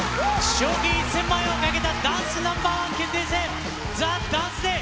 賞金１０００万円をかけたダンスＮｏ．１決定戦、ＴＨＥＤＡＮＣＥＤＡＹ。